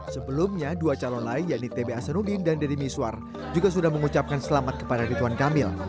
sebelumnya dua calon lain yadid t b asanudin dan deddy miswar juga sudah mengucapkan selamat kepada ridwan kamil